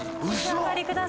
お召し上がりください。